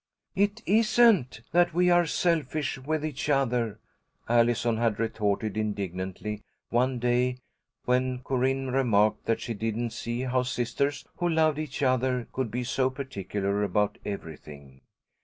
"It isn't that we are selfish with each other," Allison had retorted, indignantly, one day when Corinne remarked that she didn't see how sisters who loved each other could be so particular about everything.